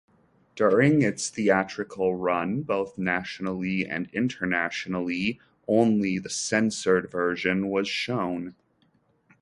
During its theatrical run, both nationally and internationally, only the censored version was shown.